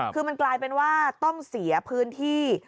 คือมันกลายเป็นว่าต้องเสียพื้นที่